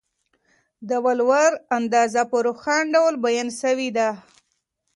د ولور اندازه په روښانه ډول بیان سوې ده.